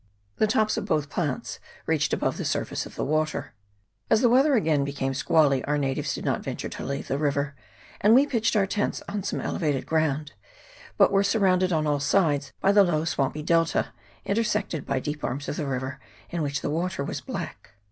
The tops of both plants reached above the surface of the water. As the weather again became squally, our natives did not venture to leave the river, and we pitched our tents on some elevated ground, but were surrounded on all sides by the low swampy delta, intersected by deep arms of the river, in which the water was black.